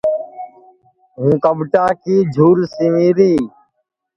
ہوں کٻٹا کی جُھول سیوری